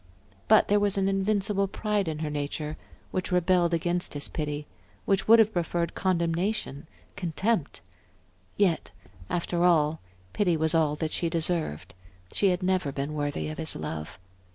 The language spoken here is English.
But there was an invincible pride in her nature which rebelled against his pity, which would have preferred condemnation, contempt. Yet, after all, pity was all that she deserved; she had never been worthy of his love.